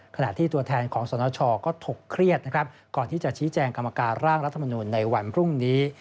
ขณะที่ตัวแทนของสนชก็ถกเครียดนะครับก่อนที่จะชี้แจงกรรมการร่างรัฐมนุนในวันพรุ่งนี้